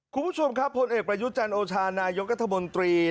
ก็เชิญท่านรับชมการแสดงเพลงเรือ